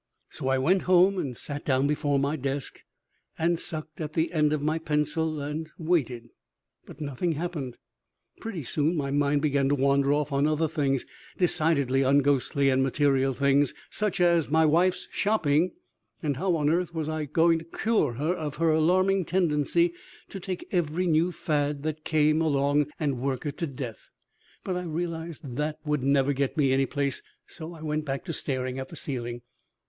So I went home and sat down before my desk and sucked at the end of my pencil and waited, but nothing happened. Pretty soon my mind began to wander off on other things, decidedly unghostly and material things, such as my wife's shopping and how on earth I was going to cure her of her alarming tendency to take every new fad that came along and work it to death. But I realized that would never get me any place, so I went back to staring at the ceiling.